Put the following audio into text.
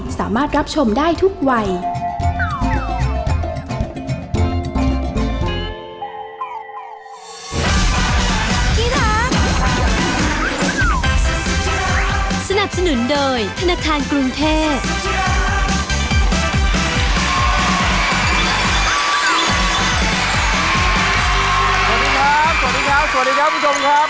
สวัสดีครับสวัสดีครับสวัสดีครับคุณผู้ชมครับ